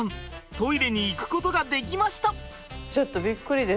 トイレに行くことができました！